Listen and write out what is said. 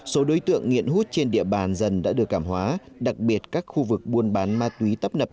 số đối tượng nghiện hút trên địa bàn dần đã được cảm hóa đặc biệt các khu vực buôn bán ma túy tấp nập